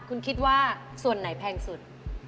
คุณคิดว่าส่วนไหนแพงสุด